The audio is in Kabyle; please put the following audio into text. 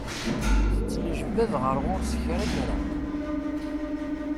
Tettnejbad ɣer ɣur-s s kra kra.